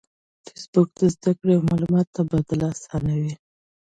فېسبوک د زده کړې او معلوماتو تبادله آسانوي